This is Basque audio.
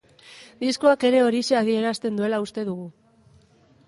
Diskoak ere horixe adierazten duela uste dugu.